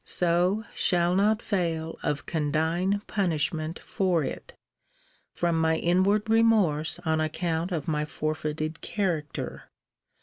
So shall not fail of condign punishment for it, from my inward remorse on account of my forfeited character.